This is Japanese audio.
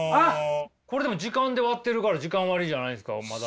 これでも時間で割ってるから時間割じゃないんですかまだ。